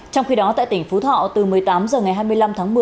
trong khi đó tại tỉnh phú thọ từ một mươi tám h ngày hai mươi năm tháng một mươi